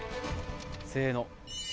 せの。